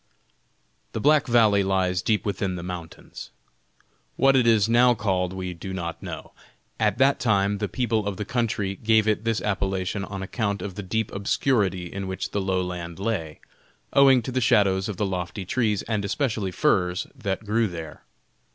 The Black Valley lies deep within the mountains. What it is now called we do not know. At that time the people of the country gave it this appellation on account of the deep obscurity in which the low land lay, owing to the shadows of the lofty trees, and especially firs, that grew there.